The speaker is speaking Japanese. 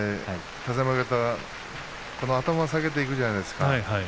立浪親方、この頭を下げていくじゃないですか